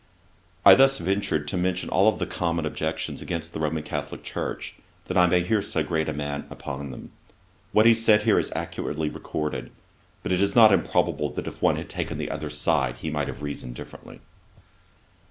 I thus ventured to mention all the common objections against the Roman Catholick Church, that I might hear so great a man upon them. What he said is here accurately recorded. But it is not improbable that if one had taken the other side, he might have reasoned differently.